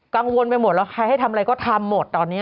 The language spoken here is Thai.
กังวลไปหมดแล้วใครให้ทำอะไรก็ทำหมดตอนนี้